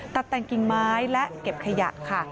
ตัดแต่งกิ่งไม้และเก็บขยะค่ะ